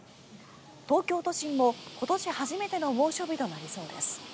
東京都心も今年初めての猛暑日となりそうです。